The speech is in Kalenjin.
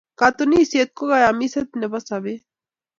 Katunisyet ko kayamiset nebo sobeet.